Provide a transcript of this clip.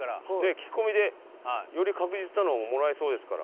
聞き込みでより確実なのをもらえそうですから。